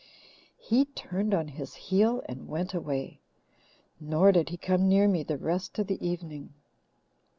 He turned on his heel and went away, nor did he come near me the rest of the evening.